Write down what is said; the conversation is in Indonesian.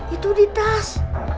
itu di tas